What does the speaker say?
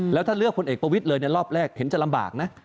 แล้วถ้าเลือกคนเอกประวิทย์เลยรอบแรกเห็นจะลำบากนะ